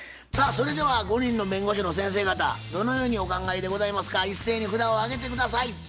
さあそれでは５人の弁護士の先生方どのようにお考えでございますか一斉に札を上げて下さい。